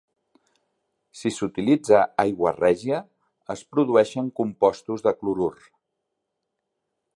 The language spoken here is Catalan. Si s'utilitza "aigua règia", es produeixen compostos de clorur.